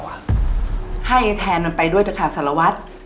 ให้ไออีธแฟนมันไปด้วยดักษาสละวัด